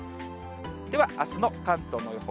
では、あすの関東の予報。